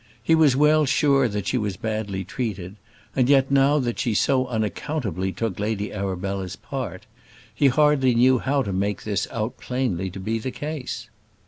He was well sure that she was badly treated; and yet now that she so unaccountably took Lady Arabella's part, he hardly knew how to make this out plainly to be the case.